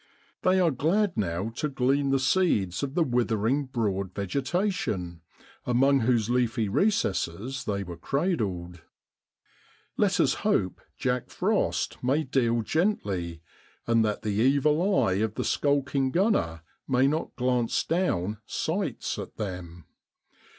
They are glad now to glean the seeds of the withering Broad vegetation, among whose leafy recesses they were cradled. Let us hope Jack Frost may deal gently, and that the evil eye of the skulking gunner may not glance down i sights ' at them.